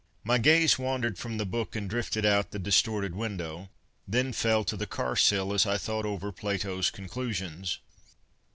My gaze wandered from the book and drifted out the distorted window, then fell to the car sill as I thought over Plato's conclusions.